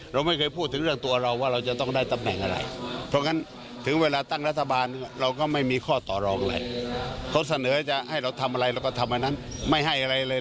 เราก็ทำอะไรนั้นไม่ให้อะไรเลย